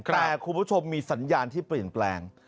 แต่คุณผู้ชมมีสัญญาณที่เปลี่ยนแปลง